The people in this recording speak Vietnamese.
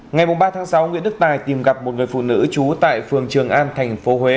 ngày ba sáu nguyễn đức tài tìm gặp một người phụ nữ trú tại phường trường an tp huế